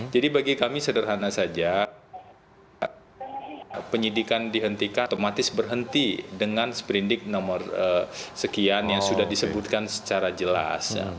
jadi bagi kami sederhana saja penyidikan dihentikan otomatis berhenti dengan sprendik nomor sekian yang sudah disebutkan secara jelas